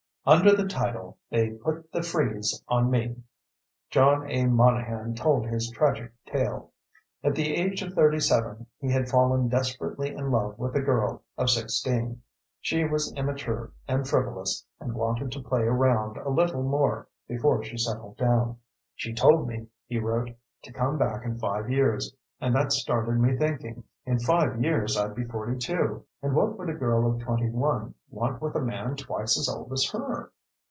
Under the title They Put the Freeze on Me! John A. Monahan told his tragic tale. At the age of 37, he had fallen desperately in love with a girl of 16. She was immature and frivolous and wanted to "play around" a little more before she settled down. "She told me," he wrote, "to come back in five years, and that started me thinking. In five years I'd be 42, and what would a girl of 21 want with a man twice as old as her?"